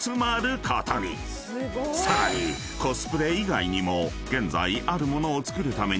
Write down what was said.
［さらにコスプレ以外にも現在］